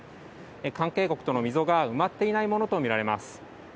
関係国との溝が埋まっていないものと見られます。